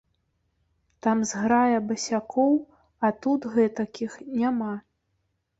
Там зграя басякоў, а тут гэтакіх няма.